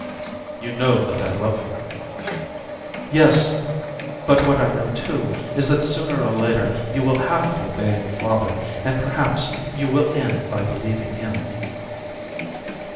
"You know that I love you." "Yes, but what I know, too, is that, sooner or later, you will have to obey your father, and perhaps you will end by believing him."